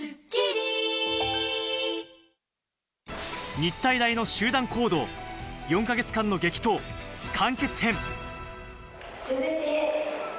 日体大の集団行動、４か月間の激闘、完結編。